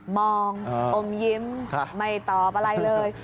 มองอมยิ้มไม่ตอบอะไรเลย